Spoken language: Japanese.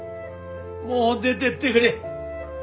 もう出ていってくれ。